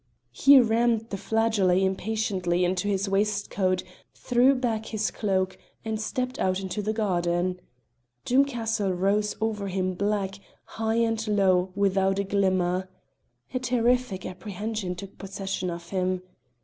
He rammed the flageolet impatiently into his waistcoat, threw back his cloak, and stepped out into the garden. Doom Castle rose over him black, high and low, without a glimmer. A terrific apprehension took possession of him.